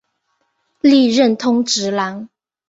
历任通直郎。